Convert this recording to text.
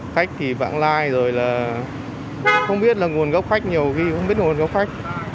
khách thì vặn lai rồi là không biết là nguồn gốc khách nhiều khi không biết là nguồn gốc khách